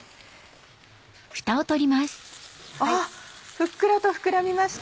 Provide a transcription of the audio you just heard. ふっくらと膨らみました。